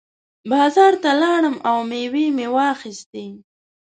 بازار ته لاړم او مېوې مې واخېستې.